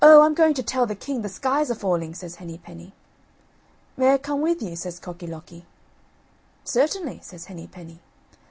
I'm going to tell the king the sky's a falling," says Henny penny. "May I come with you?" says Cocky locky. "Certainly," says Henny penny.